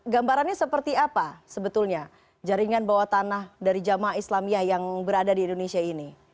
gambarannya seperti apa sebetulnya jaringan bawah tanah dari jamaah islamiyah yang berada di indonesia ini